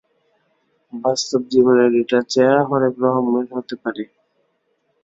বাস্তব জীবনের ডেটার চেহারা হরেক রকমের হতে পারে।